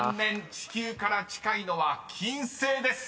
地球から近いのは「金星」です。